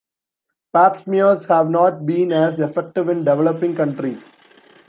Pap smears have not been as effective in developing countries.